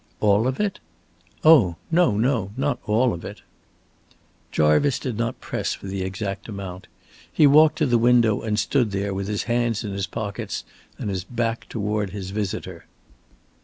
"All of it?" "Oh no, no, not all of it." Jarvice did not press for the exact amount. He walked to the window and stood there with his hands in his pockets and his back toward his visitor.